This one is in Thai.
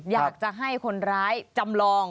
อยากจะให้คนร้ายจำลอง